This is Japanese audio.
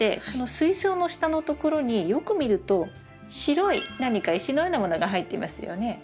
この水槽の下のところによく見ると白い何か石のようなものが入っていますよね？